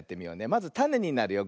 まずたねになるよ。